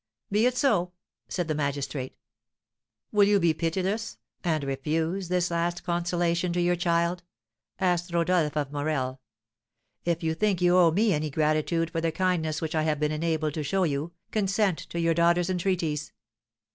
"Be it so," said the magistrate. "Will you be pitiless, and refuse this last consolation to your child?" asked Rodolph of Morel. "If you think you owe me any gratitude for the kindness which I have been enabled to show you, consent to your daughter's entreaties."